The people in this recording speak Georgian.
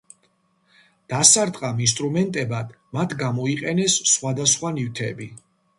დასარტყამ ინსტრუმენტებად მათ გამოიყენეს სხვადასხვა ნივთები.